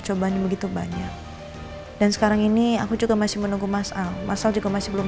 sopan begitu banyak dan sekarang ini aku juga masih menunggu masamu masa juga masih belum